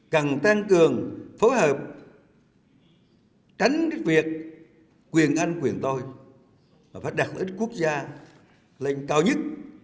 cần tăng cường phối hợp tránh việc quyền ăn quyền tôi và phát đạt lợi ích quốc gia lên cao nhất